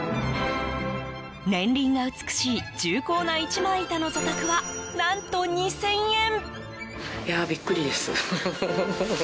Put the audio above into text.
年輪が美しい重厚な一枚板の座卓は何と２０００円。